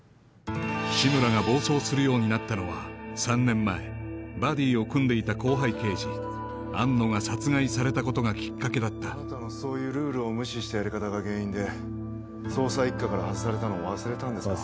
志村が暴走するようになったのは３年前バディを組んでいた後輩刑事安野が殺害されたことがきっかけだったあなたのそういうルールを無視したやり方が原因で捜査一課から外されたのを忘れたんですか？